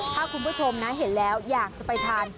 ถ้าคุณผู้ชมนะเห็นแล้วอยากจะไปทาน